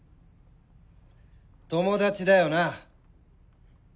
友達だよな！